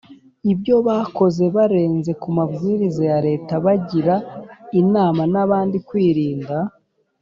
ibyo bakoze barenze ku mabwiriza ya leta bagira inama n’abandi kwirinda